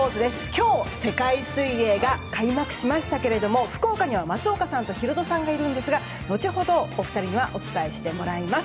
今日、世界水泳が開幕しましたけれども福岡には、松岡さんとヒロドさんがいるんですが後ほど、お二人にはお伝えしてもらいます。